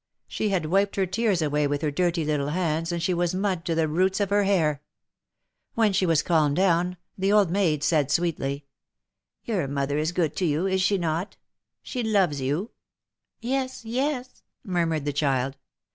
She had wiped her tears away with her dirty little hands, and she was mud to the roots of her hair. When she was calmed down, the old maid said, sweetly : "Your mother is good to you, is she not? She loves you —" "Yes, yes," murmured the child.